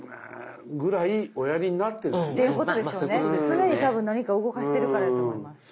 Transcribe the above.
常に多分何か動かしてるからやと思います。